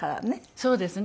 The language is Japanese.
そうですね。